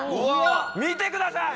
見てください。